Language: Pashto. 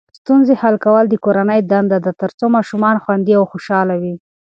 ستونزې حل کول د کورنۍ دنده ده ترڅو ماشومان خوندي او خوشحاله وي.